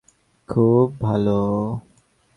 খুব ভালো।